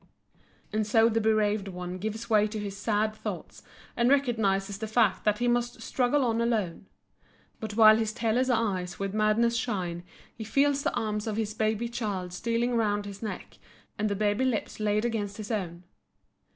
And so the bereaved one gives way to his sad thoughts and recognizes the fact that he must struggle on alone. But while his tearless eyes with madness shine he feels the arms of his baby child stealing round his neck and the baby lips laid against his own.